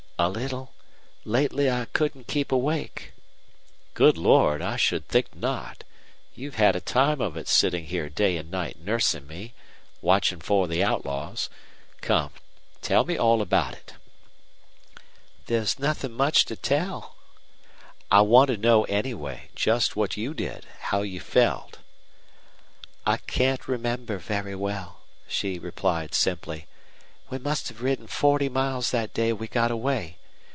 "A little. Lately I couldn't keep awake." "Good Lord! I should think not. You've had a time of it sitting here day and night nursing me, watching for the outlaws. Come, tell me all about it." "There's nothing much to tell." "I want to know, anyway, just what you did how you felt." "I can't remember very well," she replied, simply. "We must have ridden forty miles that day we got away.